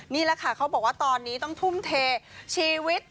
นี่แหละค่ะเขาบอกว่าตอนนี้ต้องทุ่มเทชีวิต